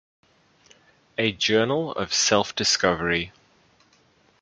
A Journal of Self-Discovery.